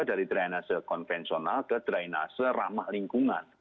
dari drainase konvensional ke drainase ramah lingkungan